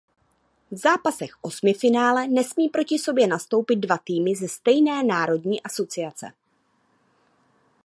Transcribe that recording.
V zápasech osmifinále nesmí proti sobě nastoupit dva týmy ze stejné národní asociace.